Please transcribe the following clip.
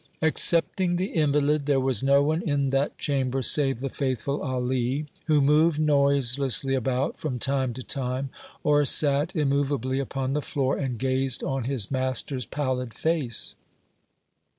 Excepting the invalid, there was no one in that chamber save the faithful Ali, who moved noiselessly about, from time to time, or sat immovably upon the floor and gazed on his master's pallid face.